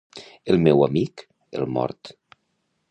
El millor amic, el mort.